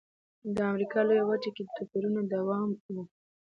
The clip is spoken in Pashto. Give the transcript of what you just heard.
د امریکا لویه وچه کې د توپیرونو دوام و.